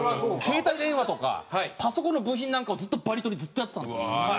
携帯電話とかパソコンの部品なんかをバリ取りずっとやってたんですよ。